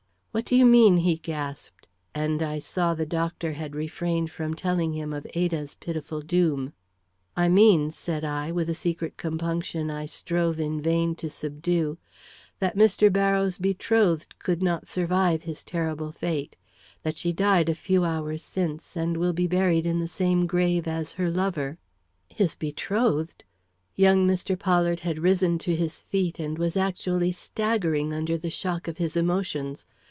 "What do you mean?" he gasped; and I saw the doctor had refrained from telling him of Ada's pitiful doom. "I mean," said I, with a secret compunction I strove in vain to subdue, "that Mr. Barrows' betrothed could not survive his terrible fate that she died a few hours since, and will be buried in the same grave as her lover." "His betrothed?" Young Mr. Pollard had risen to his feet, and was actually staggering under the shock of his emotions.